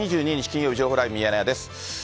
金曜日、情報ライブミヤネ屋です。